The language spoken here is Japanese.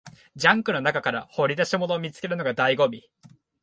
ジャンクの中から掘り出し物を見つけるのが醍醐味